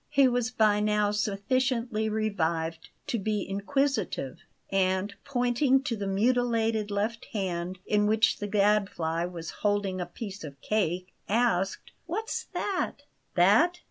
He was by now sufficiently revived to be inquisitive; and, pointing to the mutilated left hand, in which the Gadfly was holding a piece of cake, asked: "What's that?" "That?